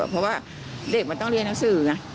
เพราะว่าเด็กมันต้องเรียนหนังสือไง